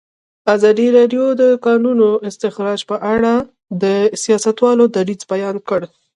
ازادي راډیو د د کانونو استخراج په اړه د سیاستوالو دریځ بیان کړی.